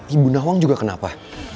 ibu nawang juga kenapa